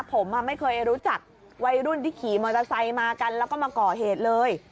ผมไม่เคยรู้จักวัยรุ่นที่ขี่มอเตอร์ไซค์มากันแล้วก็มาก่อเหตุเลย